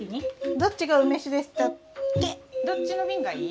どっちの瓶がいい？